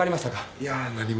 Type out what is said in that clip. いや何も。